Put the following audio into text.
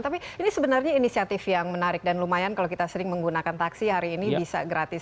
tapi ini sebenarnya inisiatif yang menarik dan lumayan kalau kita sering menggunakan taksi hari ini bisa gratis